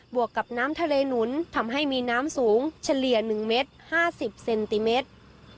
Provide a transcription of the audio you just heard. วกกับน้ำทะเลหนุนทำให้มีน้ำสูงเฉลี่ย๑เมตร๕๐เซนติเมตร